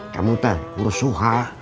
kamu tetan urus suha